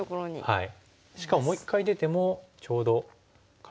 はい。